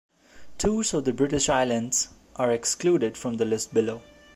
Tours of the British Islands are excluded from the list below.